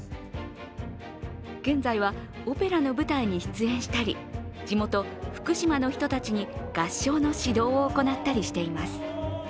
現在はオペラの舞台に出演したり地元・福島の人たちに合唱の指導を行ったりしています。